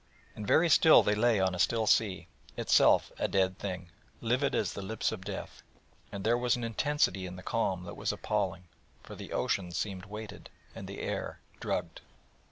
And very still they lay on a still sea, itself a dead thing, livid as the lips of death; and there was an intensity in the calm that was appalling: for the ocean seemed weighted, and the air drugged.